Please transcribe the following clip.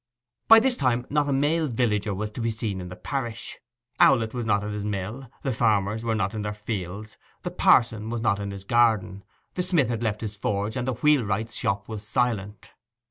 By this time not a male villager was to be seen in the parish. Owlett was not at his mill, the farmers were not in their fields, the parson was not in his garden, the smith had left his forge, and the wheelwright's shop was silent.